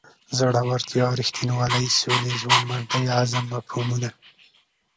زړورتیا رښتینولۍ سولې ځوانمردۍ عزم مفهومونه.